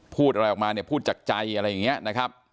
พูดอะไรออกมาเนี่ยพูดจากใจอะไรอย่างนี้นะครับ